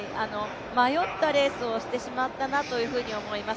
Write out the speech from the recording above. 迷ったレースをしてしまったなと思います。